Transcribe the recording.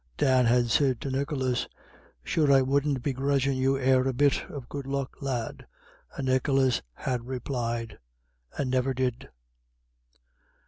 Dan had said to Nicholas: "Sure I wouldn't be grudgin' you e'er a bit of good luck, lad." And Nicholas had replied: "And never did."